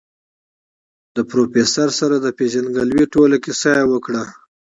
د پروفيسر سره د پېژندګلوي ټوله کيسه يې وکړه.